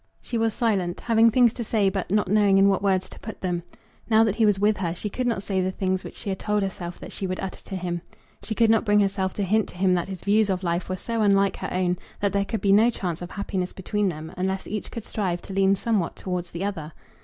She was silent, having things to say but not knowing in what words to put them. Now that he was with her she could not say the things which she had told herself that she would utter to him. She could not bring herself to hint to him that his views of life were so unlike her own, that there could be no chance of happiness between them, unless each could strive to lean somewhat towards the other.